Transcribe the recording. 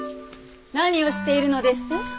何をしているのです？